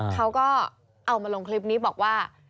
เขาก็เอามาลงคลิปนี้บอกว่า